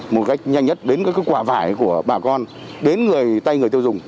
một cách nhanh nhất đến các quả vải của bà con đến người tay người tiêu dùng